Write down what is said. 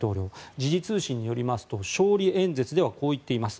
時事通信によりますと勝利演説ではこう言っています。